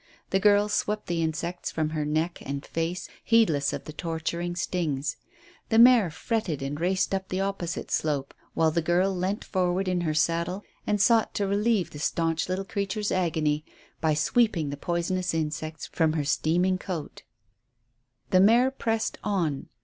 The girl swept the insects from neck and face, heedless of the torturing stings. The mare fretted and raced up the opposite slope, while the girl leant forward in her saddle and sought to relieve the staunch little creature's agony by sweeping the poisonous insects from her steaming coat. The mare pressed on.